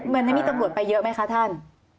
เมื่อนั้นมีตำรวจไปเยอะไหมคะท่าน